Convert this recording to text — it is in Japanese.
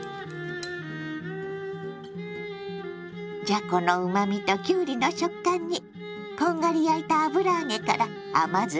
じゃこのうまみときゅうりの食感にこんがり焼いた油揚げから甘酢がジュワー。